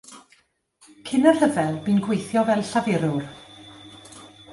Cyn y rhyfel bu'n gweithio fel llafurwr.